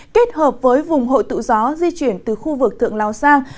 kết hợp với vùng hội tụ gió di chuyển từ khu vực thượng lào sang